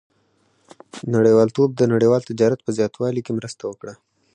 • نړیوالتوب د نړیوال تجارت په زیاتوالي کې مرسته وکړه.